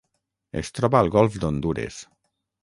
Es troba al Golf d'Hondures.